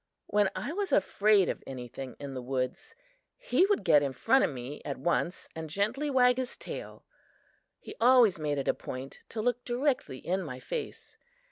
When I was afraid of anything in the woods, he would get in front of me at once and gently wag his tail. He always made it a point to look directly in my face.